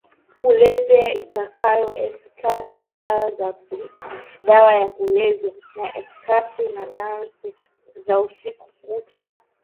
kulevya iitwayo ecstasy Dawa ya Kulevya ya Ecstasy na Dansi za Usiku Kucha